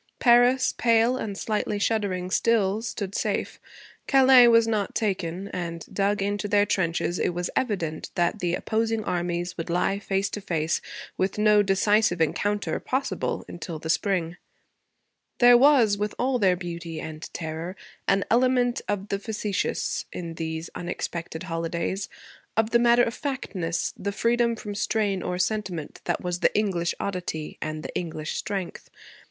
Paris, pale, and slightly shuddering still, stood safe. Calais was not taken, and, dug into their trenches, it was evident that the opposing armies would lie face to face, with no decisive encounter possible until the spring. There was, with all their beauty and terror, an element of the facetious in these unexpected holidays, of the matter of factness, the freedom from strain or sentiment that was the English oddity and the English strength.